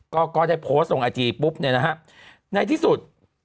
ก็ได้โพสต์ตรงอาจีปุ๊บในที่สุด